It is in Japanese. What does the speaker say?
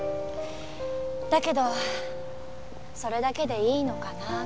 だけどそれだけでいいのかなって。